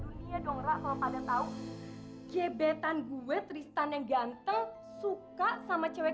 oke nggak usah marah marah tenang tenang aja pak